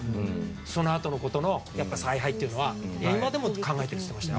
そのあとのことの采配っていうのは今でも考えてるって言ってましたよ。